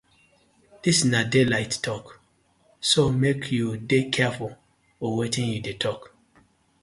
Dis na daylight tok so mek yu dey carfull for wetin yu dey tok.